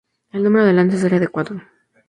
El número de lanzas era de cuatro.